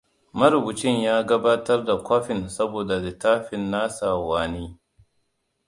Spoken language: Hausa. Marubucin ya gabatar da kwafin sabon littafin nasa wa ni.